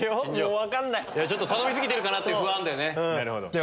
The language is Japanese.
頼み過ぎてるかなっていう不安あるんだよね。